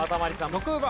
６番。